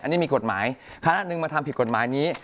อันนี้มีกฎหมายคณะหนึ่งมาทำผิดกฎหมายนี้